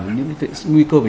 với những cái nguy cơ rất cao